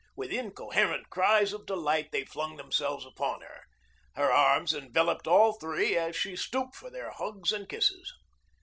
With incoherent cries of delight they flung themselves upon her. Her arms enveloped all three as she stooped for their hugs and kisses.